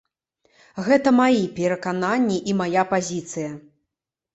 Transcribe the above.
Гэта мае перакананні і мая пазіцыя.